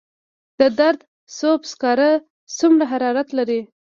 د دره صوف سکاره څومره حرارت لري؟